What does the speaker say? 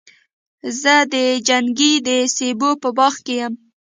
زه د چنګۍ د سېبو په باغ کي یم.